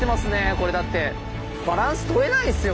これだってバランスとれないですよ